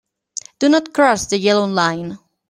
Do not cross the yellow line.